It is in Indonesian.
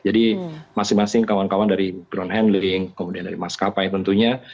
jadi masing masing kawan kawan dari ground handling kemudian dari maskapai tentunya